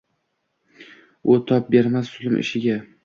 U tob bermas zulm ishiga.